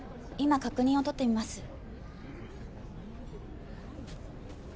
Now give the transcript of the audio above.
今確認をとってみます